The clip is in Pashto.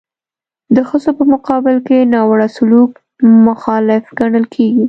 د ښځو په مقابل کې ناوړه سلوک مخالف ګڼل کیږي.